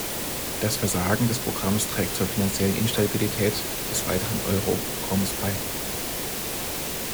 Das Versagen des Programms trägt zur finanziellen Instabilität des weiteren Euroraumes bei.